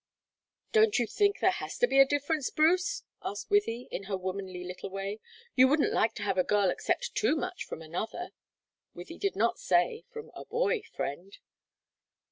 "Don't you think there has to be that difference, Bruce?" asked Wythie, in her womanly little way. "You wouldn't like to have a girl accept too much from another." Wythie did not say, "From a boy friend."